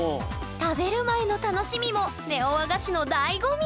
食べる前の楽しみもネオ和菓子のだいご味！